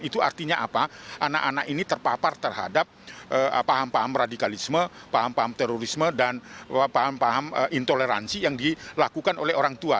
itu artinya apa anak anak ini terpapar terhadap paham paham radikalisme paham paham terorisme dan paham paham intoleransi yang dilakukan oleh orang tua